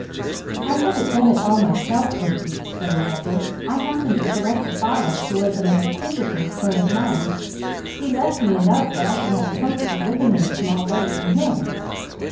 "I haven't done it all myself, Mickey," explained Douglas. "I happened to select a father who was of an acquisitive turn of mind. He left me enough that I can have a comfortable living in a small way, from him."